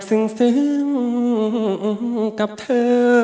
คิดถึงแบบซึ้งกับเธอ